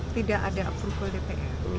tidak ada approval dpr